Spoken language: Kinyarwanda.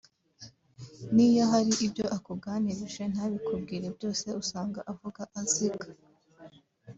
niyo hari ibyo akuganirije ntabikubwira byose usanga avuga aziga